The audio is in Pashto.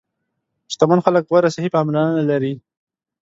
شتمن خلک غوره صحي پاملرنه لري.